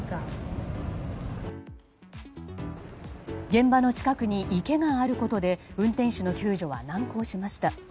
現場の近くに池があることで運転手の救助は難航しました。